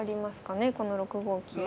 この６五金は。